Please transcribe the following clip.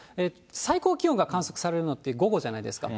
最高気温が観測されるのって午後じゃないですか。